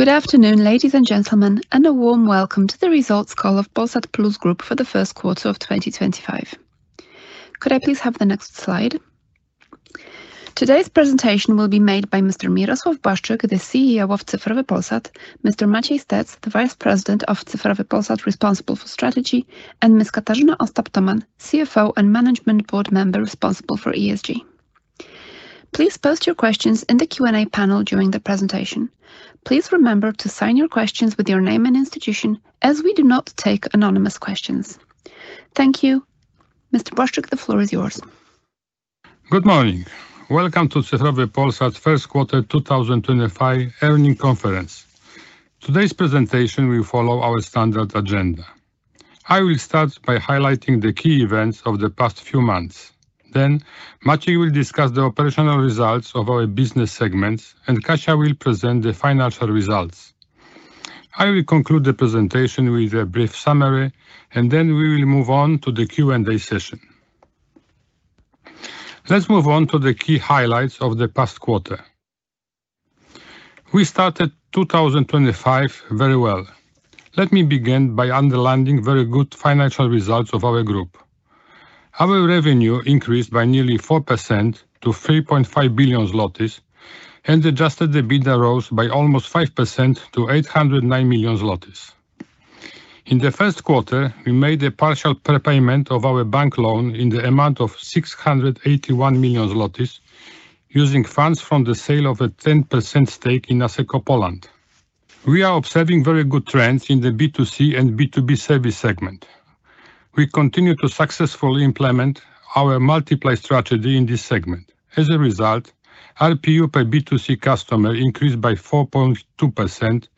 Good afternoon, ladies and gentlemen, and a warm welcome to the results call of Polsat Plus Group for the first quarter of 2025. Could I please have the next slide? Today's presentation will be made by Mr. Mirosław Błaszczyk, the CEO of Cyfrowy Polsat, Mr. Maciej Stec, the Vice President of Cyfrowy Polsat responsible for strategy, and Ms. Katarzyna Ostap-Tomann, CFO and Management Board member responsible for ESG. Please post your questions in the Q&A panel during the presentation. Please remember to sign your questions with your name and institution, as we do not take anonymous questions. Thank you. Mr. Błaszczyk, the floor is yours. Good morning. Welcome to Cyfrowy Polsat's first quarter 2025 earnings conference. Today's presentation will follow our standard agenda. I will start by highlighting the key events of the past few months. Then, Maciej will discuss the operational results of our business segments, and Kasia will present the financial results. I will conclude the presentation with a brief summary, and then we will move on to the Q&A session. Let's move on to the key highlights of the past quarter. We started 2025 very well. Let me begin by underlining very good financial results of our group. Our revenue increased by nearly 4% to 3.5 billion zlotys, and adjusted EBITDA rose by almost 5% to 809 million zlotys. In the first quarter, we made a partial prepayment of our bank loan in the amount of 681 million zlotys, using funds from the sale of a 10% stake in Asseco Poland. We are observing very good trends in the B2C and B2B service segment. We continue to successfully implement our multiplay strategy in this segment. As a result, RPU per B2C customer increased by 4.2%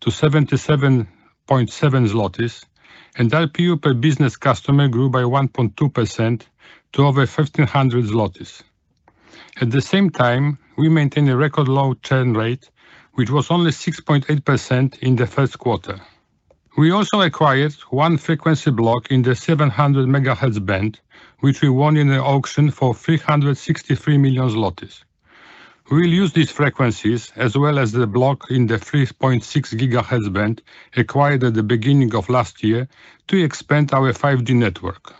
to 77.7, and RPU per business customer grew by 1.2% to over 1,500. At the same time, we maintain a record low churn rate, which was only 6.8% in the first quarter. We also acquired one frequency block in the 700 MHz band, which we won in an auction for 363 million zlotys. We will use these frequencies, as well as the block in the 3.6 GHz band acquired at the beginning of last year, to expand our 5G network.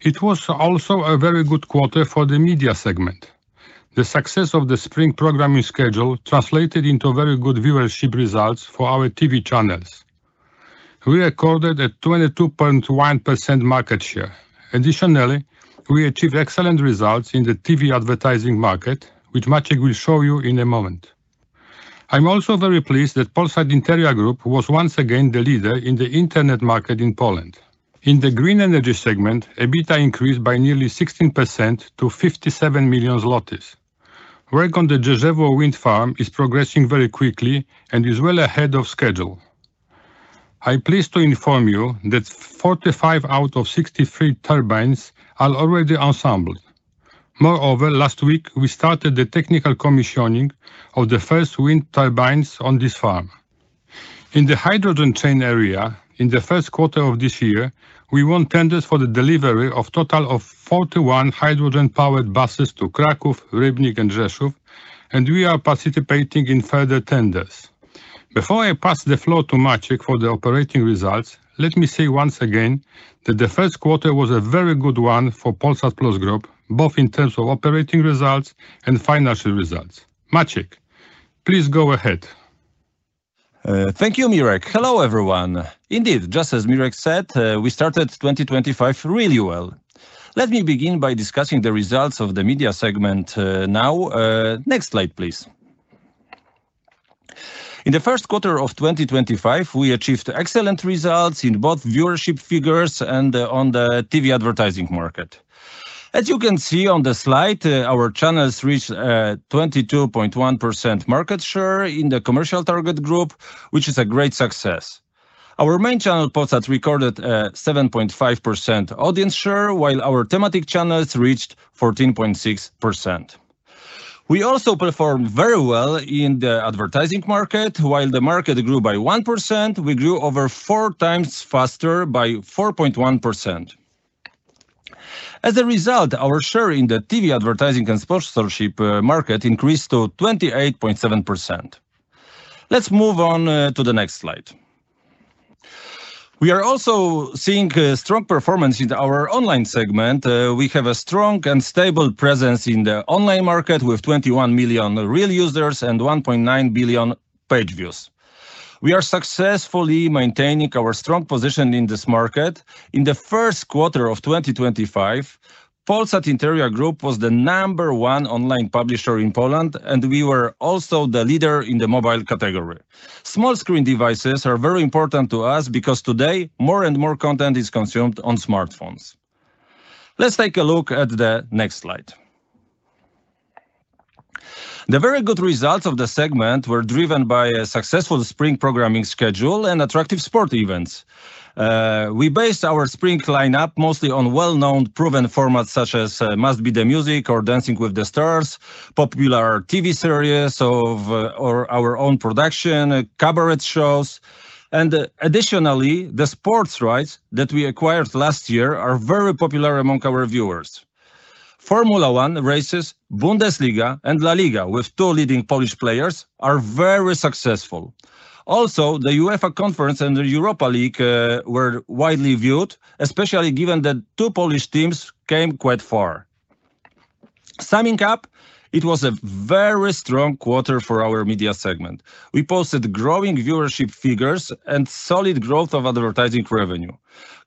It was also a very good quarter for the media segment. The success of the spring programming schedule translated into very good viewership results for our TV channels. We recorded a 22.1% market share. Additionally, we achieved excellent results in the TV advertising market, which Maciej will show you in a moment. I'm also very pleased that Polsat Interia Group was once again the leader in the internet market in Poland. In the green energy segment, EBITDA increased by nearly 16% to 57 million zlotys. Work on the Jeżewo wind farm is progressing very quickly and is well ahead of schedule. I'm pleased to inform you that 45 out of 63 turbines are already assembled. Moreover, last week we started the technical commissioning of the first wind turbines on this farm. In the hydrogen chain area, in the first quarter of this year, we won tenders for the delivery of a total of 41 hydrogen-powered buses to Kraków, Rybnik, and Rzeszów, and we are participating in further tenders. Before I pass the floor to Maciej for the operating results, let me say once again that the first quarter was a very good one for Polsat Plus Group, both in terms of operating results and financial results. Maciej, please go ahead. Thank you, Mirek. Hello, everyone. Indeed, just as Mirek said, we started 2025 really well. Let me begin by discussing the results of the media segment now. Next slide, please. In the first quarter of 2025, we achieved excellent results in both viewership figures and on the TV advertising market. As you can see on the slide, our channels reached a 22.1% market share in the commercial target group, which is a great success. Our main channel Polsat recorded a 7.5% audience share, while our thematic channels reached 14.6%. We also performed very well in the advertising market. While the market grew by 1%, we grew over four times faster by 4.1%. As a result, our share in the TV advertising and sponsorship market increased to 28.7%. Let's move on to the next slide. We are also seeing strong performance in our online segment. We have a strong and stable presence in the online market with 21 million real users and 1.9 billion page views. We are successfully maintaining our strong position in this market. In the first quarter of 2025, Polsat Interia Group was the number one online publisher in Poland, and we were also the leader in the mobile category. Small screen devices are very important to us because today more and more content is consumed on smartphones. Let's take a look at the next slide. The very good results of the segment were driven by a successful spring programming schedule and attractive sport events. We based our spring lineup mostly on well-known proven formats such as Must Be the Music or Dancing with the Stars, popular TV series of our own production, cabaret shows, and additionally, the sports rights that we acquired last year are very popular among our viewers. Formula one races, Bundesliga and La Liga, with two leading Polish players are very successful. Also, the UEFA Conference and the Europa League were widely viewed, especially given that two Polish teams came quite far. Summing up, it was a very strong quarter for our media segment. We posted growing viewership figures and solid growth of advertising revenue.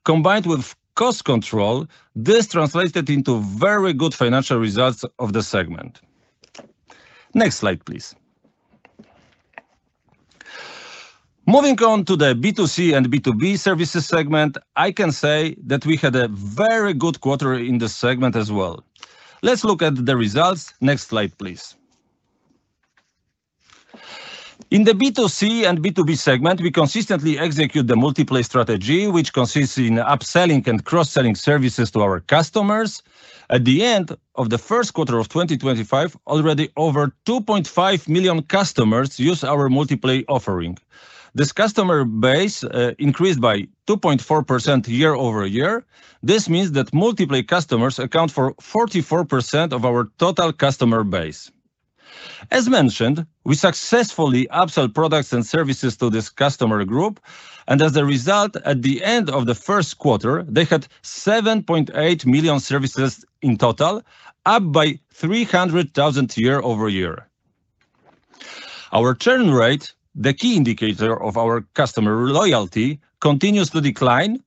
Combined with cost control, this translated into very good financial results of the segment. Next slide, please. Moving on to the B2C and B2B services segment, I can say that we had a very good quarter in this segment as well. Let's look at the results. Next slide, please. In the B2C and B2B segment, we consistently execute the multiplay strategy, which consists in upselling and cross-selling services to our customers. At the end of the first quarter of 2025, already over 2.5 million customers used our multiplay offering. This customer base increased by 2.4% year over year. This means that multiplay customers account for 44% of our total customer base. As mentioned, we successfully upsell products and services to this customer group, and as a result, at the end of the first quarter, they had 7.8 million services in total, up by 300,000 year over year. Our churn rate, the key indicator of our customer loyalty, continues to decline.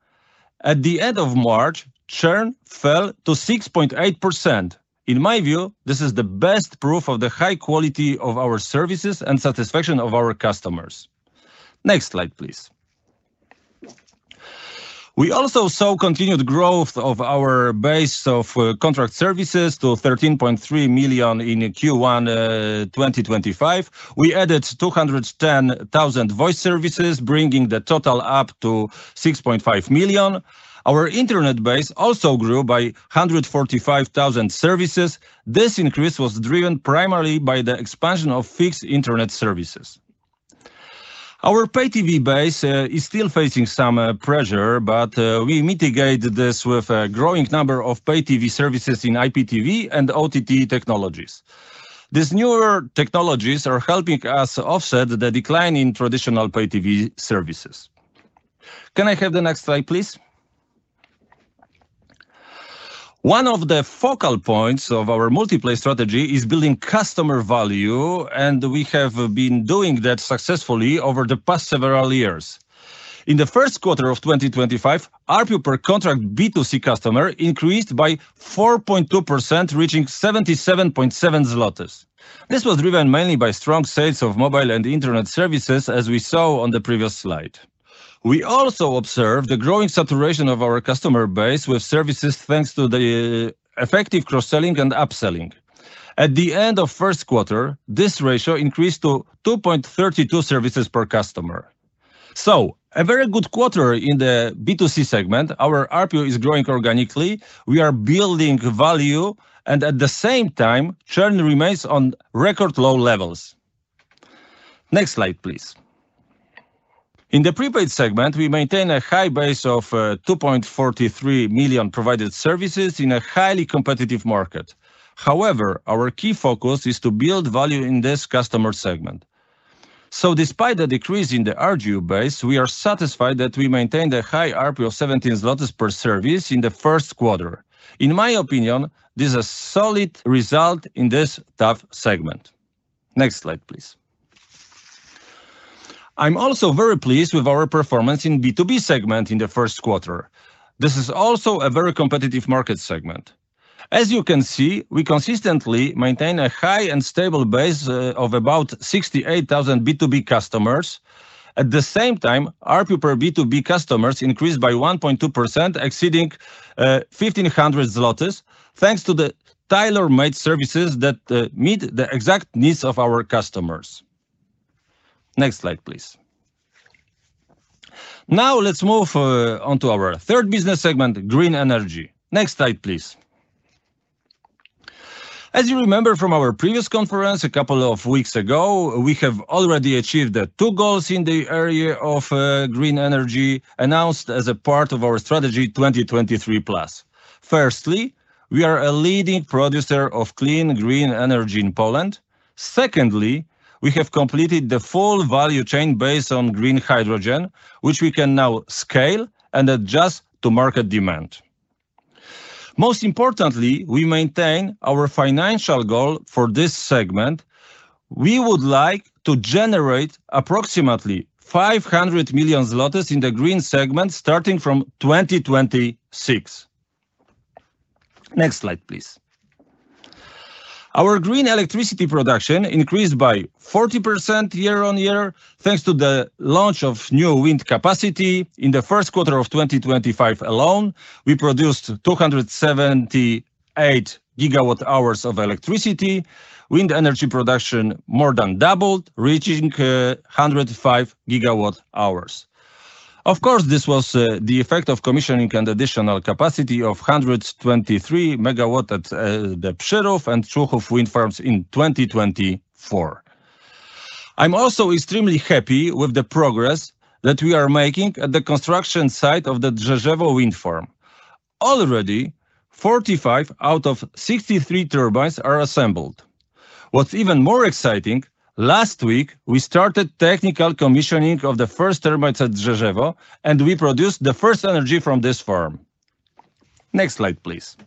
At the end of March, churn fell to 6.8%. In my view, this is the best proof of the high quality of our services and satisfaction of our customers. Next slide, please. We also saw continued growth of our base of contract services to 13.3 million in Q1 2025. We added 210,000 voice services, bringing the total up to 6.5 million. Our internet base also grew by 145,000 services. This increase was driven primarily by the expansion of fixed internet services. Our pay TV base is still facing some pressure, but we mitigate this with a growing number of pay TV services in IPTV and OTT technologies. These newer technologies are helping us offset the decline in traditional pay TV services. Can I have the next slide, please? One of the focal points of our multiplay strategy is building customer value, and we have been doing that successfully over the past several years. In the first quarter of 2025, our per contract B2C customer increased by 4.2%, reaching 77.7 zlotys. This was driven mainly by strong sales of mobile and internet services, as we saw on the previous slide. We also observed the growing saturation of our customer base with services thanks to the effective cross-selling and upselling. At the end of the first quarter, this ratio increased to 2.32 services per customer. A very good quarter in the B2C segment. Our RPU is growing organically. We are building value, and at the same time, churn remains on record low levels. Next slide, please. In the prepaid segment, we maintain a high base of 2.43 million provided services in a highly competitive market. However, our key focus is to build value in this customer segment. Despite the decrease in the RGU base, we are satisfied that we maintained a high RPU of 17 zlotys per service in the first quarter. In my opinion, this is a solid result in this tough segment. Next slide, please. I'm also very pleased with our performance in the B2B segment in the first quarter. This is also a very competitive market segment. As you can see, we consistently maintain a high and stable base of about 68,000 B2B customers. At the same time, RPU per B2B customers increased by 1.2%, exceeding 1,500 zlotys, thanks to the tailor-made services that meet the exact needs of our customers. Next slide, please. Now, let's move on to our third business segment, green energy. Next slide, please. As you remember from our previous conference a couple of weeks ago, we have already achieved two goals in the area of green energy announced as a part of our strategy 2023 Plus. Firstly, we are a leading producer of clean green energy in Poland. Secondly, we have completed the full value chain based on green hydrogen, which we can now scale and adjust to market demand. Most importantly, we maintain our financial goal for this segment. We would like to generate approximately 500 million zlotys in the green segment starting from 2026. Next slide, please. Our green electricity production increased by 40% year on year, thanks to the launch of new wind capacity. In the first quarter of 2025 alone, we produced 278 GWh of electricity. Wind energy production more than doubled, reaching 105 GWh. Of course, this was the effect of commissioning and additional capacity of 123 MWh at the Przyrów and Człuchów wind farms in 2024. I'm also extremely happy with the progress that we are making at the construction site of the Rzeszów wind farm. Already, 45 out of 63 turbines are assembled. What's even more exciting, last week we started technical commissioning of the first turbines at Rzeszów, and we produced the first energy from this farm. Next slide, please.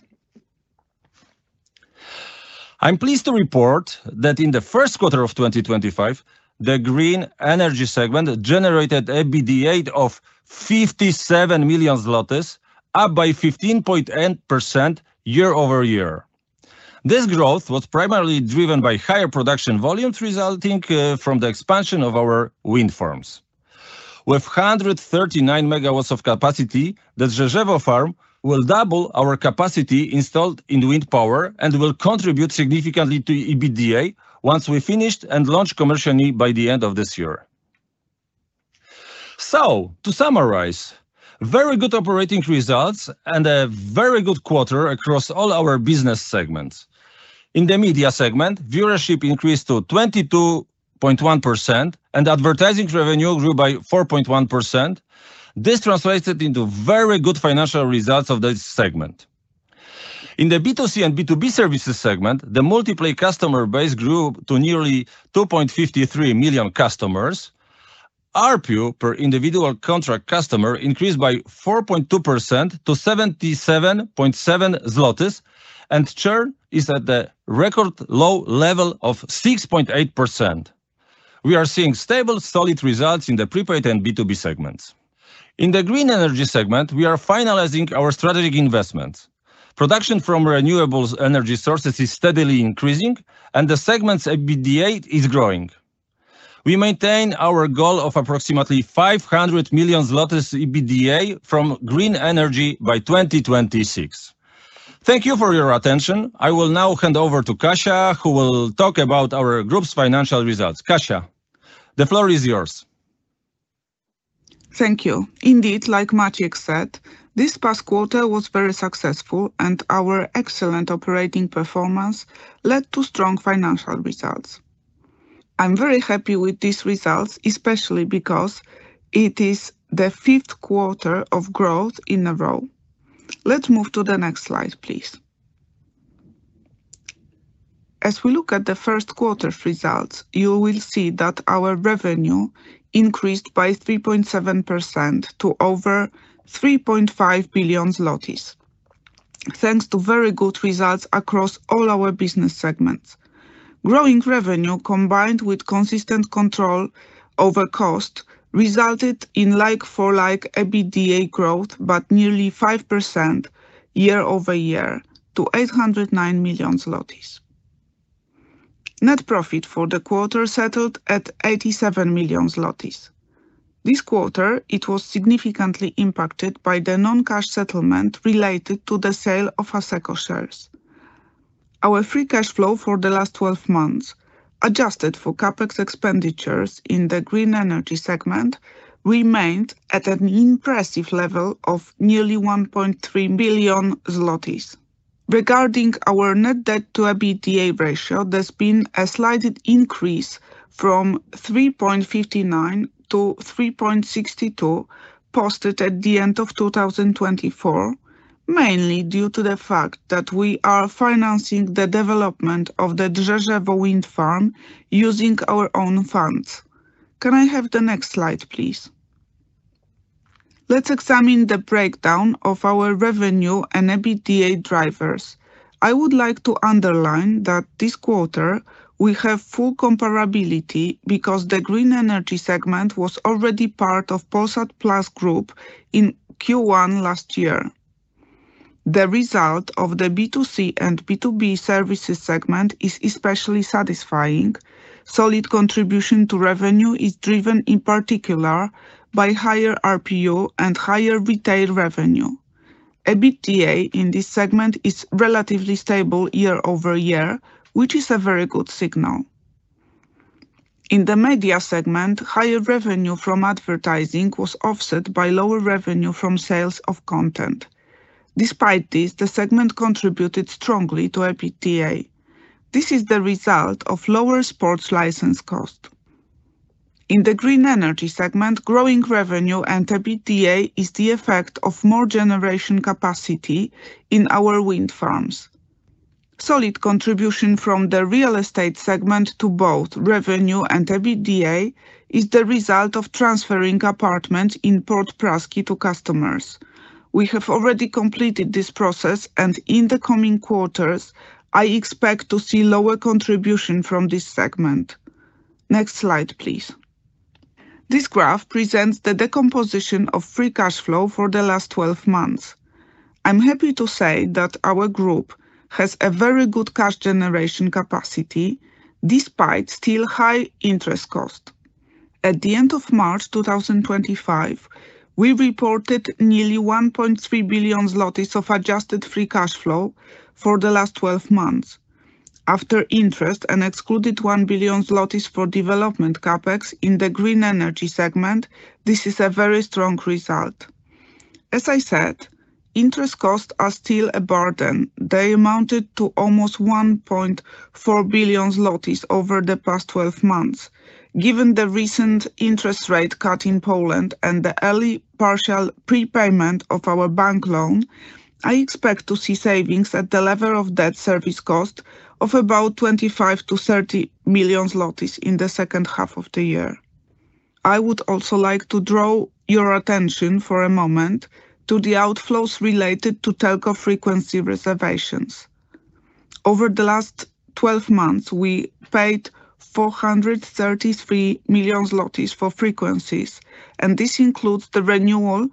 I'm pleased to report that in the first quarter of 2025, the green energy segment generated EBITDA of 57 million zlotys, up by 15.8% year over year. This growth was primarily driven by higher production volumes resulting from the expansion of our wind farms. With 139 MWh of capacity, the Rzeszów farm will double our capacity installed in wind power and will contribute significantly to EBITDA once we finish and launch commercially by the end of this year. To summarize, very good operating results and a very good quarter across all our business segments. In the media segment, viewership increased to 22.1% and advertising revenue grew by 4.1%. This translated into very good financial results of this segment. In the B2C and B2B services segment, the multiplay customer base grew to nearly 2.53 million customers. RPU per individual contract customer increased by 4.2% to 77.7 zlotys, and churn is at the record low level of 6.8%. We are seeing stable, solid results in the prepaid and B2B segments. In the green energy segment, we are finalizing our strategic investments. Production from renewable energy sources is steadily increasing, and the segment's EBITDA is growing. We maintain our goal of approximately 500 million zlotys EBITDA from green energy by 2026. Thank you for your attention. I will now hand over to Kasia, who will talk about our group's financial results. Kasia, the floor is yours. Thank you. Indeed, like Maciej said, this past quarter was very successful, and our excellent operating performance led to strong financial results. I'm very happy with these results, especially because it is the fifth quarter of growth in a row. Let's move to the next slide, please. As we look at the first quarter's results, you will see that our revenue increased by 3.7% to over 3.5 billion zlotys, thanks to very good results across all our business segments. Growing revenue, combined with consistent control over cost, resulted in like-for-like EBITDA growth, by nearly 5% year over year, to 809 million zlotys. Net profit for the quarter settled at 87 million zlotys. This quarter, it was significantly impacted by the non-cash settlement related to the sale of Asseco Poland shares. Our free cash flow for the last 12 months, adjusted for CapEx expenditures in the green energy segment, remained at an impressive level of nearly 1.3 billion zlotys. Regarding our net debt to EBITDA ratio, there's been a slight increase from 3.59 to 3.62 posted at the end of 2024, mainly due to the fact that we are financing the development of the Rzeszów wind farm using our own funds. Can I have the next slide, please? Let's examine the breakdown of our revenue and EBITDA drivers. I would like to underline that this quarter we have full comparability because the green energy segment was already part of Polsat Plus Group in Q1 last year. The result of the B2C and B2B services segment is especially satisfying. Solid contribution to revenue is driven in particular by higher RPU and higher retail revenue. EBITDA in this segment is relatively stable year over year, which is a very good signal. In the media segment, higher revenue from advertising was offset by lower revenue from sales of content. Despite this, the segment contributed strongly to EBITDA. This is the result of lower sports license cost. In the green energy segment, growing revenue and EBITDA is the effect of more generation capacity in our wind farms. Solid contribution from the real estate segment to both revenue and EBITDA is the result of transferring apartments in Port Prasky to customers. We have already completed this process, and in the coming quarters, I expect to see lower contribution from this segment. Next slide, please. This graph presents the decomposition of free cash flow for the last 12 months. I'm happy to say that our group has a very good cash generation capacity despite still high interest cost. At the end of March 2025, we reported nearly 1.3 billion zlotys of adjusted free cash flow for the last 12 months. After interest and excluded 1 billion zlotys for development CapEx in the green energy segment, this is a very strong result. As I said, interest costs are still a burden. They amounted to almost 1.4 billion zlotys over the past 12 months. Given the recent interest rate cut in Poland and the early partial prepayment of our bank loan, I expect to see savings at the level of debt service cost of about 25-30 million zlotys in the second half of the year. I would also like to draw your attention for a moment to the outflows related to telco frequency reservations. Over the last 12 months, we paid 433 million zlotys for frequencies, and this includes the renewal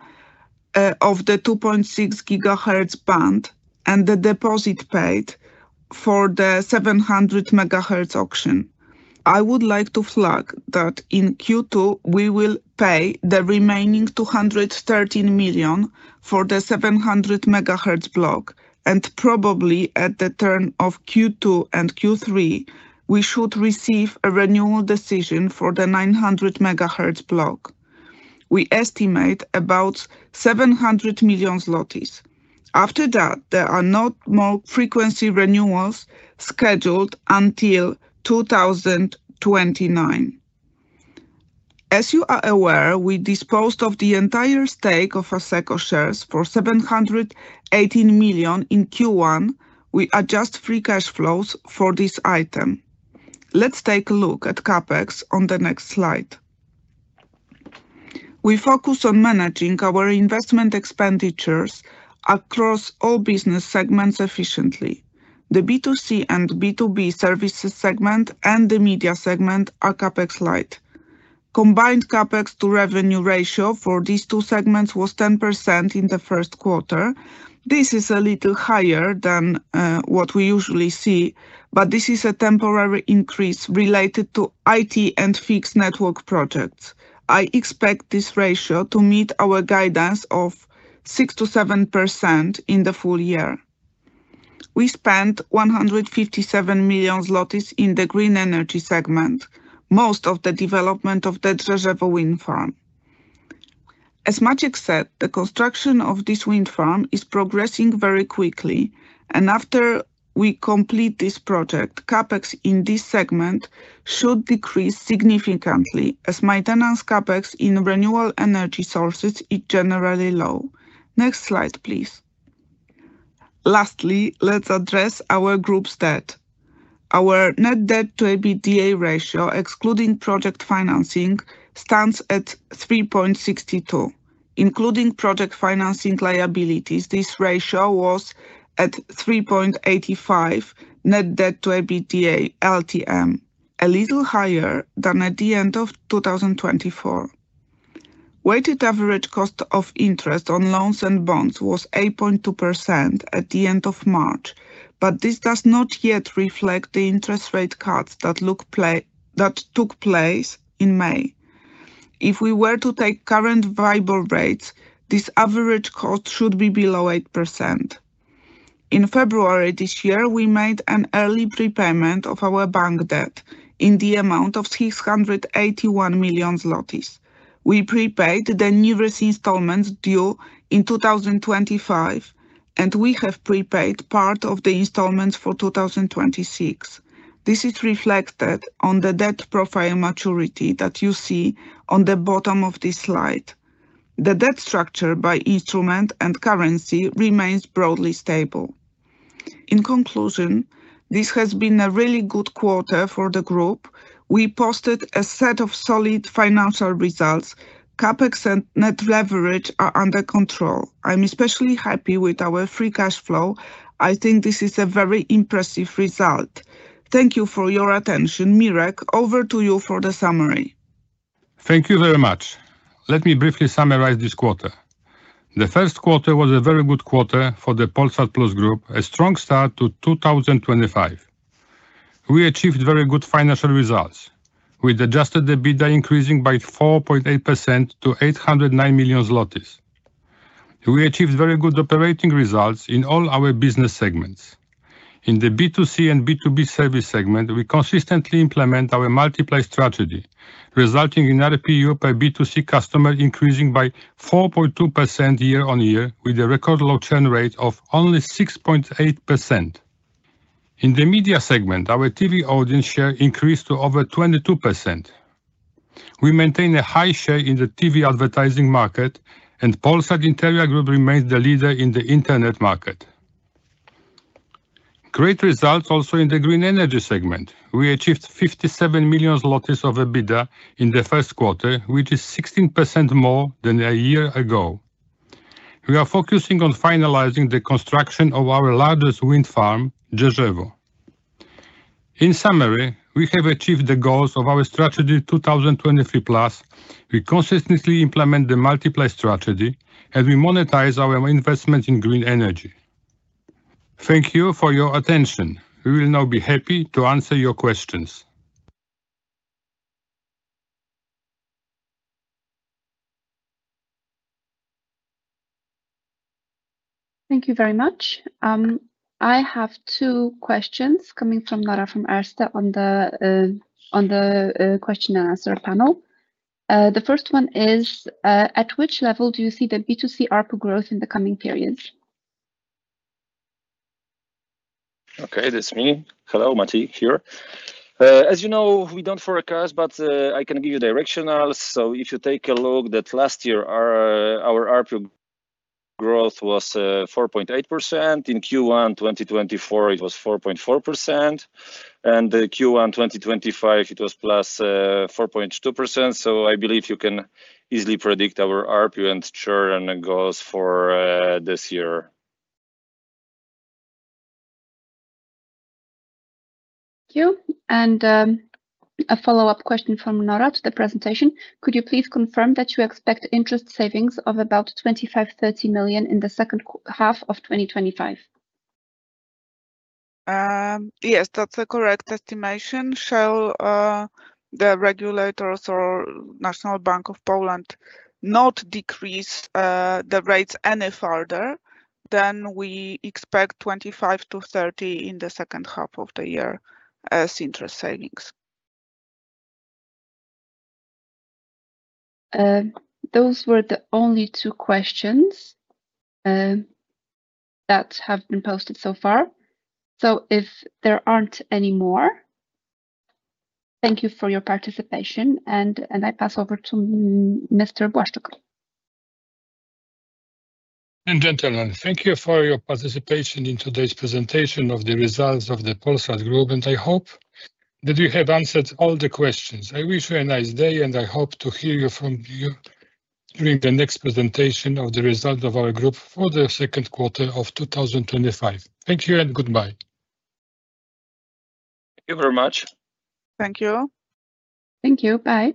of the 2.6 gigahertz band and the deposit paid for the 700 megahertz auction. I would like to flag that in Q2, we will pay the remaining 213 million for the 700 megahertz block, and probably at the turn of Q2 and Q3, we should receive a renewal decision for the 900 megahertz block. We estimate about 700 million zlotys. After that, there are no more frequency renewals scheduled until 2029. As you are aware, we disposed of the entire stake of Asseco shares for 718 million in Q1. We adjust free cash flows for this item. Let's take a look at CapEx on the next slide. We focus on managing our investment expenditures across all business segments efficiently. The B2C and B2B services segment and the media segment are CapEx-light. Combined CapEx to revenue ratio for these two segments was 10% in the first quarter. This is a little higher than what we usually see, but this is a temporary increase related to IT and fixed network projects. I expect this ratio to meet our guidance of 6-7% in the full year. We spent 157 million zlotys in the green energy segment, most of the development of the Rzeszów wind farm. As Maciej said, the construction of this wind farm is progressing very quickly, and after we complete this project, CapEx in this segment should decrease significantly, as maintenance CapEx in renewable energy sources is generally low. Next slide, please. Lastly, let's address our group's debt. Our net debt to EBITDA ratio, excluding project financing, stands at 3.62. Including project financing liabilities, this ratio was at 3.85 net debt to EBITDA LTM, a little higher than at the end of 2024. Weighted average cost of interest on loans and bonds was 8.2% at the end of March, but this does not yet reflect the interest rate cuts that took place in May. If we were to take current viable rates, this average cost should be below 8%. In February this year, we made an early prepayment of our bank debt in the amount of 681 million zlotys. We prepaid the newest installments due in 2025, and we have prepaid part of the installments for 2026. This is reflected on the debt profile maturity that you see on the bottom of this slide. The debt structure by instrument and currency remains broadly stable. In conclusion, this has been a really good quarter for the group. We posted a set of solid financial results. CapEx and net leverage are under control. I'm especially happy with our free cash flow. I think this is a very impressive result. Thank you for your attention, Mirek. Over to you for the summary. Thank you very much. Let me briefly summarize this quarter. The first quarter was a very good quarter for the Polsat Plus Group, a strong start to 2025. We achieved very good financial results, with adjusted EBITDA increasing by 4.8% to 809 million zlotys. We achieved very good operating results in all our business segments. In the B2C and B2B service segment, we consistently implement our multiplay strategy, resulting in RPU per B2C customer increasing by 4.2% year on year, with a record low churn rate of only 6.8%. In the media segment, our TV audience share increased to over 22%. We maintain a high share in the TV advertising market, and Polsat Interia Group remains the leader in the internet market. Great results also in the green energy segment. We achieved 57 million of EBITDA in the first quarter, which is 16% more than a year ago. We are focusing on finalizing the construction of our largest wind farm, Rzeszów. In summary, we have achieved the goals of our strategy 2023 Plus. We consistently implement the multiplay strategy, and we monetize our investment in green energy. Thank you for your attention. We will now be happy to answer your questions. Thank you very much. I have two questions coming from Nora from Erste on the question and answer panel. The first one is, at which level do you see the B2C ARPU growth in the coming periods? Okay, that's me. Hello, Maciej here. As you know, we do not forecast, but I can give you directionals. If you take a look, last year, our ARPU growth was 4.8%. In Q1 2024, it was 4.4%. In Q1 2025, it was plus 4.2%. I believe you can easily predict our ARPU and churn goals for this year. Thank you. A follow-up question from Nora to the presentation. Could you please confirm that you expect interest savings of about 25 million-30 million in the second half of 2025? Yes, that's a correct estimation. Shall the regulators, or National Bank of Poland, not decrease the rates any further, then we expect 25 million-30 million in the second half of the year as interest savings. Those were the only two questions that have been posted so far. If there are not any more, thank you for your participation, and I pass over to Mr. Błaszczyk. Gentlemen, thank you for your participation in today's presentation of the results of the Polsat Plus Group, and I hope that you have answered all the questions. I wish you a nice day, and I hope to hear from you during the next presentation of the results of our group for the second quarter of 2025. Thank you and goodbye. Thank you very much. Thank you. Thank you. Bye.